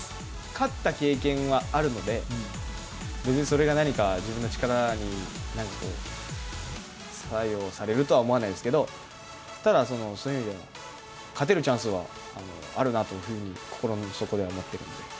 勝った経験はあるので、別にそれが何か自分の力に何かこう、作用されるとは思わないですけど、ただ勝てるチャンスはあるなというふうに、心の底では思ってるんで。